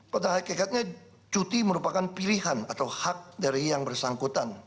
pertahankan cuti merupakan pilihan atau hak dari yang bersangkutan